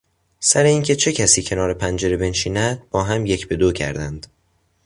سر اینکه چه کسی کنار پنجره بنشیند با هم یک به دو کردند.